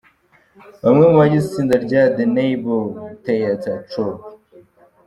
Bamwe mu bagize itsinda rya The Neighbor Theater Troop.